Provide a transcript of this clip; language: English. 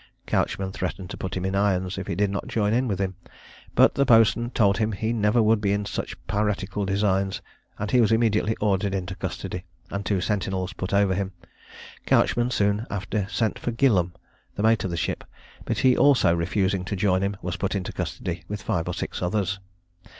Couchman threatened to put him in irons if he did not join with him; but the boatswain told him he never would be in such piratical designs, and he was immediately ordered into custody, and two sentinels put over him. Couchman soon after sent for Gilham, the mate of the ship; but he also refusing to join him, was put into custody with five or six others.